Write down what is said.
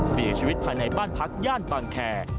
เสียชีวิตภายในบ้านพักย่านบางแคร์